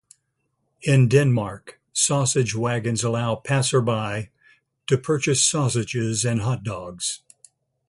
In Denmark, sausage wagons allow passersby to purchase sausages and hot dogs.